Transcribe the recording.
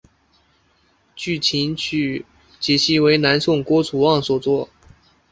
据琴曲解析为南宋郭楚望所作。